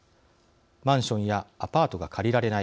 マンションやアパートが借りられない。